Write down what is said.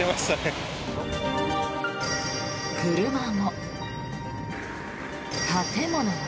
車も、建物も